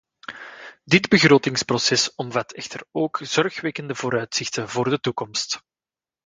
Dit begrotingsproces omvat echter ook zorgwekkende vooruitzichten voor de toekomst.